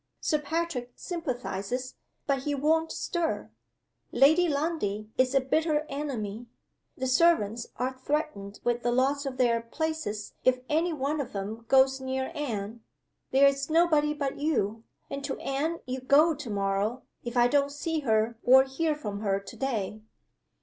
Sir Patrick sympathizes, but he won't stir. Lady Lundie is a bitter enemy. The servants are threatened with the loss of their places if any one of them goes near Anne. There is nobody but you. And to Anne you go to morrow, if I don't see her or hear from her to day!"